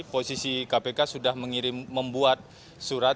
posisi kpk sudah membuat surat